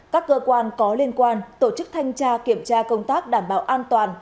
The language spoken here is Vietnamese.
các cơ quan có liên quan tổ chức thanh tra kiểm tra công tác đảm bảo an toàn